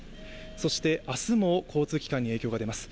そして明日も交通機関に影響が出ます。